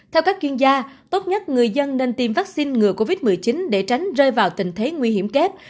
theo các chuyên gia tốt nhất người dân nên tiêm vaccine ngừa covid một mươi chín để tránh rơi vào tình thế nguy hiểm kép